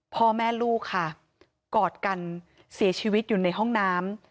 พ่อแม่ลูกค่ะกอดกันเสียชีวิตอยู่ในห้องน้ำ